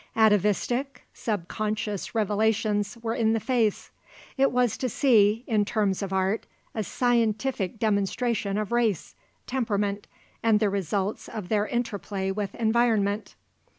Atavistic, sub conscious revelations were in the face. It was to see, in terms of art, a scientific demonstration of race, temperament, and the results of their interplay with environment.